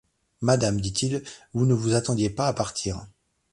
Madame, dit-il, vous ne vous attendiez pas à partir.